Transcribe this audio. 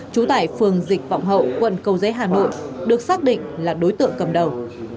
chú tại phường dịch vọng hậu quận cầu dế hà nội được xác định là đối tượng cầm đầu